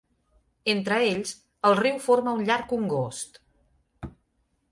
Entre ells, el riu forma un llarg congost.